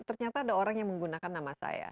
ternyata ada orang yang menggunakan nama saya